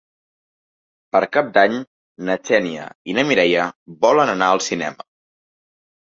Per Cap d'Any na Xènia i na Mireia volen anar al cinema.